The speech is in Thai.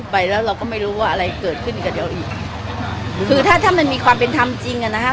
ไปแล้วเราก็ไม่รู้ว่าอะไรเกิดขึ้นกับเราอีกคือถ้าถ้ามันมีความเป็นธรรมจริงอ่ะนะคะ